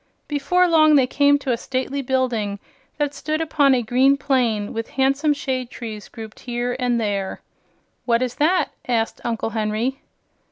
Before long they came to a stately building that stood upon a green plain with handsome shade trees grouped here and there. "What is that?" asked Uncle Henry.